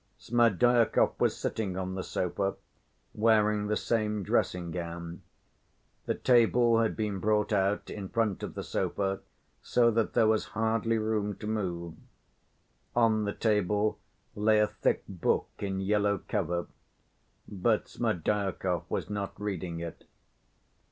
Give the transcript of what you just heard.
Smerdyakov was sitting on the sofa, wearing the same dressing‐gown. The table had been brought out in front of the sofa, so that there was hardly room to move. On the table lay a thick book in yellow cover, but Smerdyakov was not reading it.